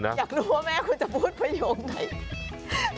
อยากรู้ว่าแม่คุณจะพูดประโยคไหน